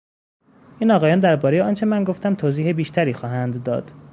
این آقایان دربارهی آنچه من گفتم توضیح بیشتری خواهند داد.